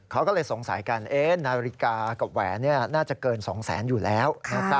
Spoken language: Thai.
เขาก็เลยสงสัยกันนาฬิกากับแหวนน่าจะเกิน๒แสนอยู่แล้ว